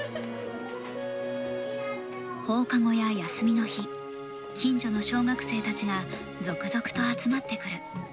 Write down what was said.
放課後や休みの日近所の小学生たちが続々と集まってくる。